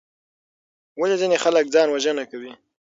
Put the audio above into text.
ولې ځینې خلک ځان وژنه کوي؟